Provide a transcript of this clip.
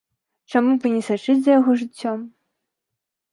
Чаму б і не сачыць за яго жыццём?